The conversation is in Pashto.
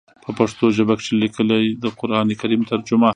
پۀ پښتو ژبه کښې ليکلی د قران کريم ترجمه